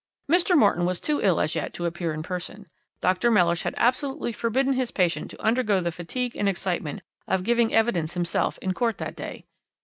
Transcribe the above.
"Mr. Morton was too ill as yet to appear in person. Dr. Mellish had absolutely forbidden his patient to undergo the fatigue and excitement of giving evidence himself in court that day.